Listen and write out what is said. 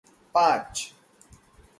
पांच